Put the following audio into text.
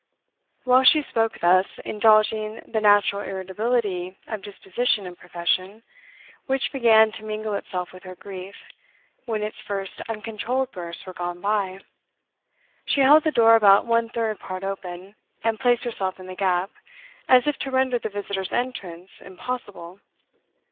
While she spoke thus, indulging the natural irritability of disposition and profession, which began to mingle itself with her grief when its first uncontrolled bursts were gone by, she held the door about one third part open, and placed herself in the gap, as if to render the visitor's entrance impossible.